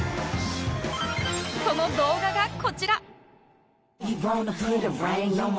その動画がこちら